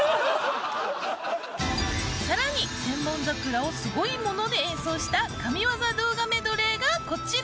さらに『千本桜』をすごいもので演奏した神技動画メドレーがこちら。